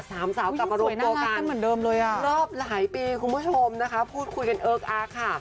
สามสาวกลับมารวมตัวกันรอบหลายปีคุณผู้ชมนะคะพูดคุยกันเอิร์กอาร์กค่ะ